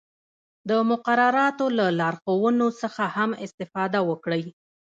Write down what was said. د مقرراتو له لارښوونو څخه هم استفاده وکړئ.